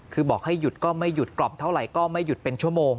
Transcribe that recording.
คือบอกให้หยุดก็ไม่หยุดกล่อมเท่าไหร่ก็ไม่หยุดเป็นชั่วโมง